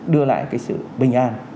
đưa lại cái sự bình an